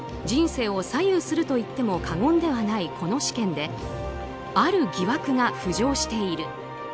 人生を左右するといっても過言ではない、この試験である疑惑が浮上している。